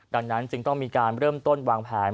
ดังนั้นจึงต้องมีการเริ่มต้นวางแผน